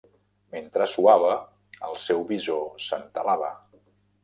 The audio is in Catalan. Mentre suava, el seu visor s'entelava.